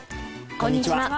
こんにちは。